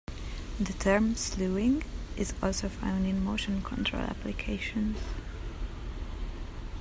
The term slewing is also found in motion control applications.